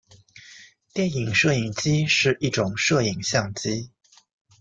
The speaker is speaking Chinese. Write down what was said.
电影摄影机是一种摄影相机。